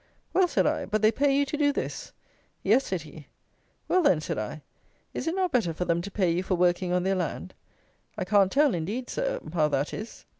"Well," said I, "but they pay you to do this!" "Yes," said he. "Well, then," said I, "is it not better for them to pay you for working on their land?" "I can't tell, indeed, Sir, how that is."